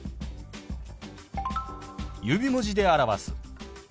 指文字で表す。